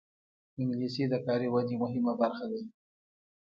انګلیسي د کاري ودې مهمه برخه ده